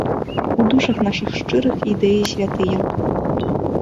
У душах нашых шчырых ідэі святыя.